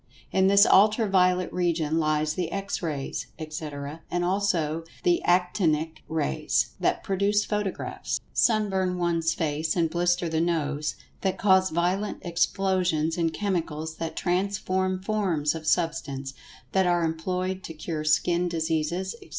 In this Ultra violet region lies the X Rays, etc., and also the "Actinic Rays," that produce photographs, sunburn one's face and blister the nose—that cause violent explosions in chemicals—that transform forms of Substance—that are employed to cure skin diseases, etc.